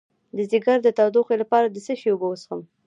د ځیګر د تودوخې لپاره د څه شي اوبه وڅښم؟